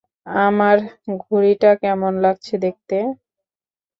আমার ঘুড়িটা কেমন লাগছে দেখতে?